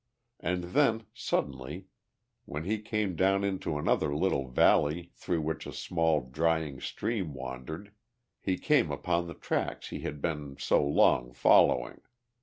And then, suddenly when he came down into another little valley through which a small drying stream wandered, he came upon the tracks he had been so long following.